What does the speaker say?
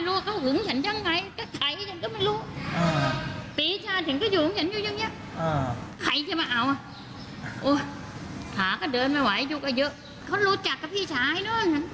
หาก็เดินไม่ไหวอยู่ก็เยอะเขารู้จักกับพี่ชายเนอะ